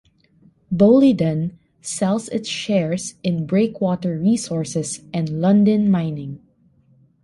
Boliden sells its shares in Breakwater Resources and Lundin Mining.